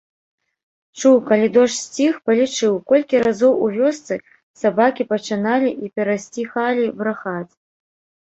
Чуў, калі дождж сціх, палічыў, колькі разоў у вёсцы сабакі пачыналі і перасціхалі брахаць.